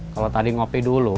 kalau tadi ngopi dulu